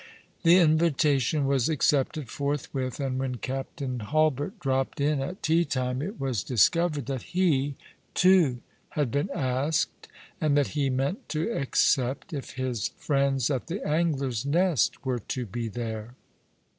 The invitation was accepted forthwith, and when Captain Hulbert dropped in at teatime it was discovered that he, too, had been asked, and that he meant to accept, if his friends at the Angler's Nest were to bo there.